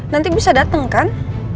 nanti bisa dateng kan